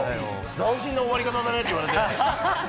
斬新な終わり方だねって言われて。